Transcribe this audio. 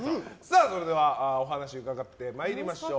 それではお話伺ってまいりましょう。